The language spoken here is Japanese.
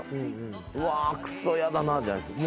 「うわくそ嫌だな」じゃないですか。